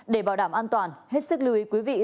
để bảo đảm an toàn hết sức lưu ý quý vị